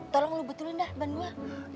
tolong lu betulin dah ban gue